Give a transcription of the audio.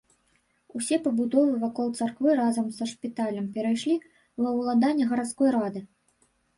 Усе пабудовы вакол царквы разам са шпіталем перайшлі ва ўладанне гарадской рады.